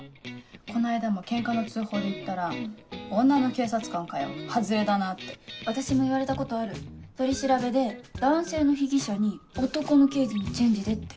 この間もケンカの通報で行ったら「女の警察官かよハズレだな」って。私も言われたことある取り調べで男性の被疑者に「男の刑事にチェンジで」って。